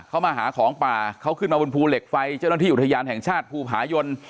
เขามาหาของป่าเขาขึ้นมาบนภูเหล็กไฟเจ้าหน้าที่อุทยานแห่งชาติภูผายน